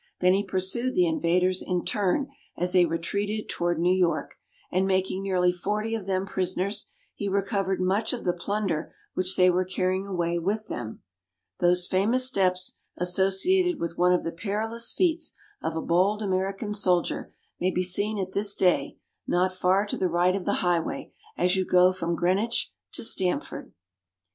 Then he pursued the invaders in turn as they retreated toward New York, and making nearly forty of them prisoners, he recovered much of the plunder which they were carrying away with them. Those famous steps, associated with one of the perilous feats of a bold American soldier, may be seen at this day, not far to the right of the highway, as you go from Greenwich to Stamford.